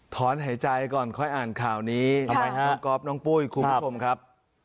ถอนหายใจก่อนค่อยอ่านข่าวนี้ทำไมฮะน้องก๊อฟน้องปุ้ยคุณผู้ชมครับ